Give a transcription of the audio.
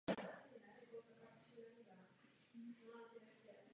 Jak Rada poněkud opožděně zjistila, roky izolacionistické politiky nikam nevedly.